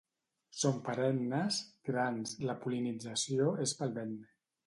Són perennes, grans, la pol·linització és pel vent.